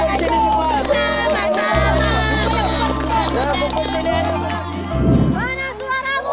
ayo bukuk sini semua